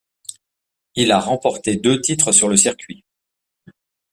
Il a remporté deux titres sur le circuit.